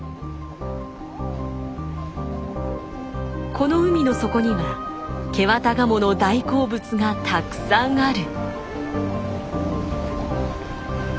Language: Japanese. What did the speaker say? この海の底にはケワタガモの大好物がたくさんある。